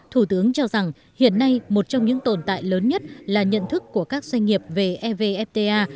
thủ tướng cho rằng hiện nay một trong những tồn tại lớn nhất là nhận thức của các doanh nghiệp về evfta